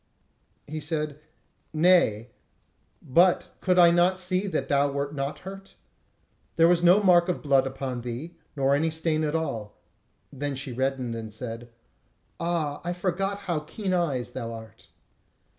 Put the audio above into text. He said: "Nay, but could I not see thee that thou wert not hurt? There was no mark of blood upon thee, nor any stain at all." Then she reddened, and said: "Ah, I forgot how keen eyes thou art."